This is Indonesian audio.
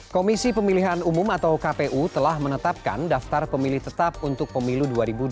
komisi pemilihan umum atau kpu telah menetapkan daftar pemilih tetap untuk pemilu dua ribu dua puluh